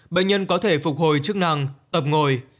bệnh nhân có thể phục hồi chức năng ập ngồi